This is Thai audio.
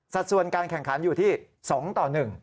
ส่วนการแข่งขันอยู่ที่๒ต่อ๑